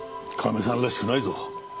カメさんらしくないぞ。